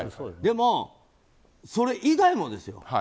でも、それ以外もですよ。